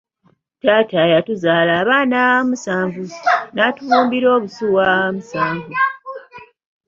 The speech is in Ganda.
Taata yatuzaala abaana musanvu, n'atubumbira obusuwa musanvu.